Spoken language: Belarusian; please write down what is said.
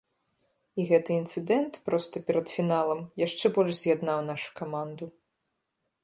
І гэты інцыдэнт проста перад фіналам яшчэ больш з'яднаў нашу каманду.